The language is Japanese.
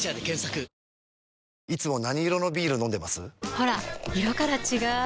ほら色から違う！